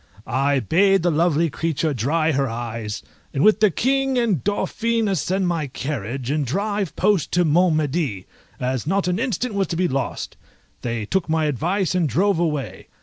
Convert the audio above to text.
I bade the lovely creature dry her eyes, and with the King and Dauphin ascend my carriage, and drive post to Mont Medi, as not an instant was to be lost. They took my advice and drove away.